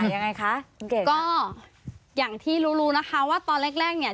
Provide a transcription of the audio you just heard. อย่างไรคะก็อย่างที่รู้นะคะว่าตอนแรกเนี่ย